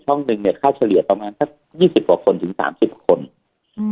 หนึ่งเนี้ยค่าเฉลี่ยประมาณสักยี่สิบกว่าคนถึงสามสิบคนอืม